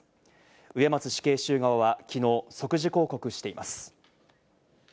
植松死刑囚側は昨日、即時抗告しています。